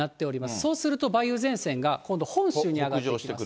そうすると梅雨前線が今度、本州に上がってきます。